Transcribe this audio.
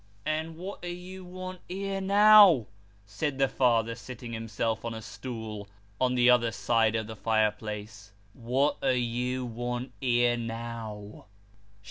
' And what do you want here, now ?" said the father, seating him self on a stool, on the other side of the fire place. " What do you want here, now